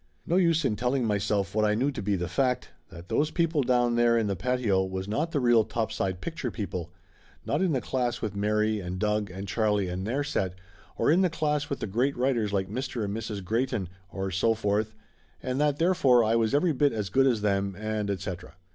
No use in telling myself what I knew to be the fact that those people down there in the patio was not the real topside picture people; not in the class with Mary Laughter Limited 157 and Doug and Charlie and their set, or in the class with the great writers like Mr. and Mrs. Greyton, or so forth, and that therefore I was every bit as good as them and etc.